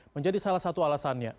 menjadi salah satu alasannya